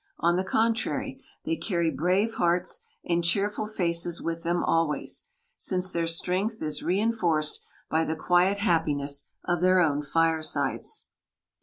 On the contrary, they carry brave hearts and cheerful faces with them always, since their strength is reinforced by the quiet happiness of their own firesides.